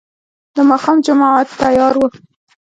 د ماښام جماعت تيار و.